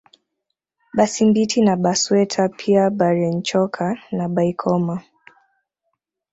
Basimbiti na Basweta pia Barenchoka na Baikoma